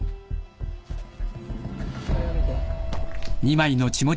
これを見て。